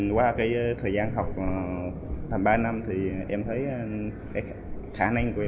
qua thời gian học ba năm em thấy khả năng của em